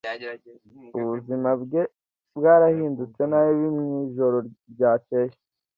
Ubuzima bwe bwarahindutse nabi mu ijoro ryakeye